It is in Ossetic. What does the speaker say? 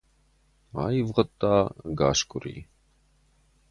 Аивгъуыдта ӕгас къуыри.